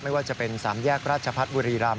ไม่ว่าจะเป็น๓แยกราชพัฒน์บุรีรำ